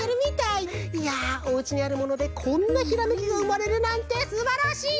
いやおうちにあるものでこんなひらめきがうまれるなんてすばらしい！